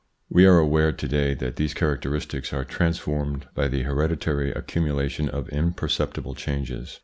We are aware to day that these charac teristics are transformed by the hereditary accumula tion of imperceptible changes.